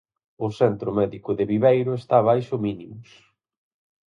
O centro médico de Viveiro está baixo mínimos.